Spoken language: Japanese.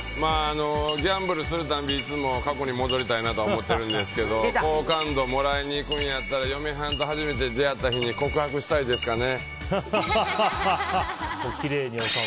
ギャンブルするたびいつも過去に戻りたいなと思ってるんですけど好感度もらいにいくんやったら嫁はんと初めて出会った日に告白したいですかね。